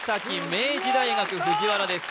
明治大学藤原です